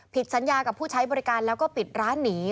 ผิดสัญญากับผู้ใช้บริการแล้วก็ปิดร้านหนี